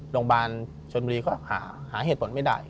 ลงไหม